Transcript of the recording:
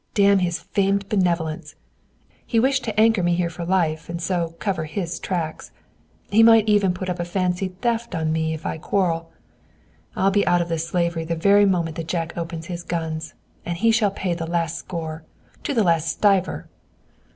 Damn his famed benevolence. He wished to anchor me here for life, and, so cover his tracks. He might even put up a fancied theft on me if I quarrel. I'll be out of this slavery the very moment that Jack opens his guns. And he shall pay the last score, to the last stiver!"